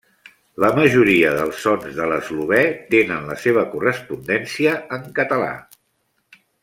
La majoria dels sons de l'eslovè tenen la seva correspondència en català.